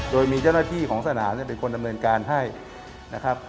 โดยมีเจ้าหน้าที่ของสนามเป็นคนดำเนินการให้นะครับ